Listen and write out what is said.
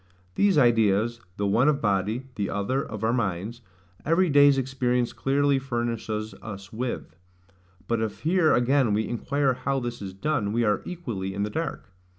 These ideas, the one of body, the other of our minds, every day's experience clearly furnishes us with: but if here again we inquire how this is done, we are equally in the dark.